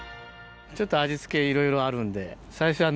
ちょっと味付けいろいろあるんで。